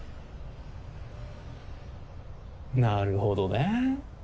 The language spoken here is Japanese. なるほどね。